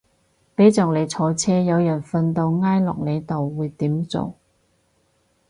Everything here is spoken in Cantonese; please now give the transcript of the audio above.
俾着你坐車有人瞓到挨落你度會點做